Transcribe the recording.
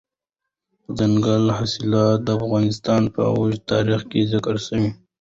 دځنګل حاصلات د افغانستان په اوږده تاریخ کې ذکر شوی دی.